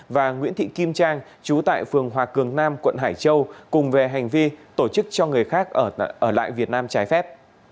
và nguyễn thị kim trang chú tại phường hòa cường nam quận hải châu cùng về hành vi tổ chức cho người khác ở lại việt nam trái phép